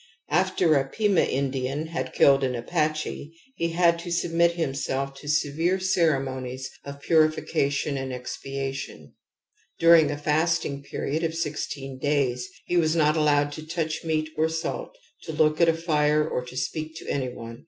After a Pima Indian had killed an Apache he ' had to submit himself to severe ceremonies of purification and expiation. During a fasting period of sixteen days he was not allowed to touch meat or salt, to look at a fire or to speak to any one.